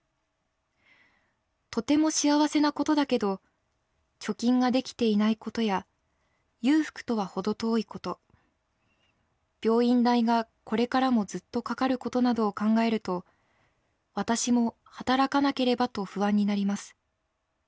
とても幸せなことだけど貯金ができていないことや裕福とは程遠いこと病院代がこれからもずっとかかることなどを考えると私も働かなければと不安になります。